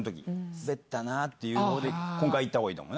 スベったなっていうほうで今回行ったほうがいいと思う。